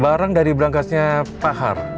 barang dari berangkasnya pak har